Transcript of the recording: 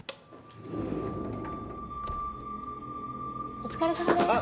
お疲れさまです。